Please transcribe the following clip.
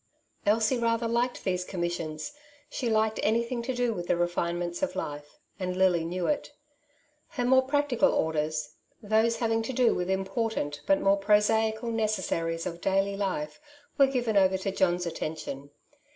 Elsie rather liked these commissions, she liked anything to do with the refinements of life, and Lily knew it. Her more practical orders — those having to do with important, but more prosaical necessaries of daily life were given over to John^s attention.